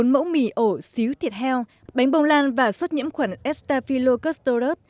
bốn mẫu mì ổ xíu thịt heo bánh bông lan và suất nhiễm khuẩn estafilocostoros